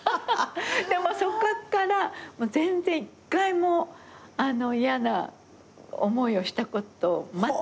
でもそこから全然一回も嫌な思いをしたことまったくない。